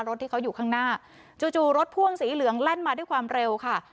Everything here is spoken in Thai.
รถที่เขาอยู่ข้างหน้าจู่รถพ่วงสีเหลืองแล่นมาด้วยความเร็วค่ะ